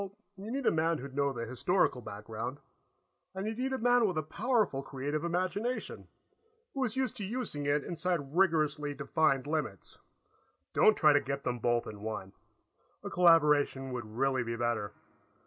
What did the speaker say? "Well, you need a man who'd know the historical background, and you'd need a man with a powerful creative imagination, who is used to using it inside rigorously defined limits. Don't try to get them both in one; a collaboration would really be better.